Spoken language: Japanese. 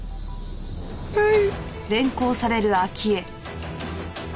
はい。